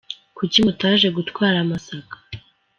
Kuki mutaje gutwara amasaka?